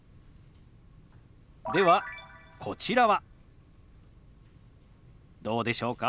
ではこちらはどうでしょうか？